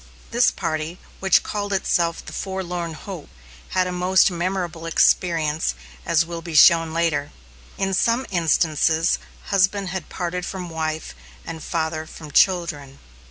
This party, which called itself "The Forlorn Hope," had a most memorable experience, as will be shown later. In some instances husband had parted from wife, and father from children.